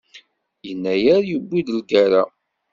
Yennayer yuwi-d lgerra.